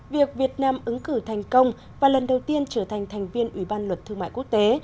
việc việt nam ứng cử thành công và lần đầu tiên trở thành thành viên ủy ban luật thương mại quốc tế